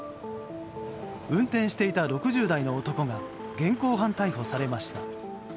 運転していた６０代の男が現行犯逮捕されました。